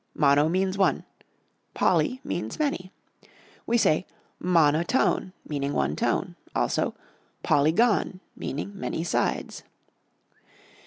Mono means one, poly means many. We say _mono_tone, meaning one tone; also _poly_gon, meaning many sides.